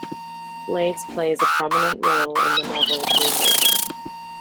Blades plays a prominent role in the novel "Moonraker".